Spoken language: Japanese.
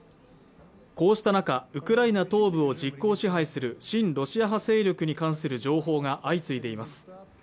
こうした中ウクライナ東部を実効支配する親ロシア派勢力に関する情報が相次いでいます